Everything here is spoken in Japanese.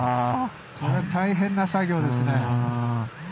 これは大変な作業ですね。